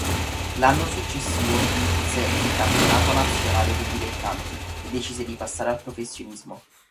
L'anno successivo vinse il campionato nazionale dei dilettanti e decise di passare al professionismo.